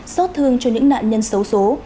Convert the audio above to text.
xót thương cho những nạn nhân xấu xố